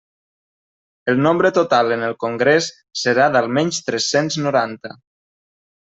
El nombre total en el congrés serà d'almenys tres-cents noranta.